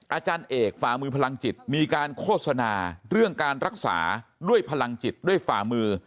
อาจารย์เอกฝ่ามือพลังจิตมีการโฆษณาเรื่องการรักษาด้วยพลังจิตด้วยฝ่ามือ